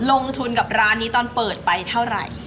ลงทุนกับร้านนี้ตอนเปิดไปเท่าไหร่